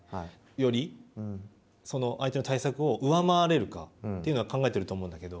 よりその相手の対策を上回れるかというのは考えていると思うんだけど。